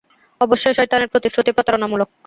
অবশ্যই শয়তানের প্রতিশ্রুতি প্রতারণামূলক।